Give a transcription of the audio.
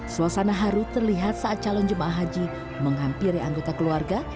suasana haru terlihat saat calon jemaah haji menghampiri anggota keluarga